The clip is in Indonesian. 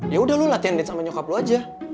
yaudah lo latihan dance sama nyokap lo aja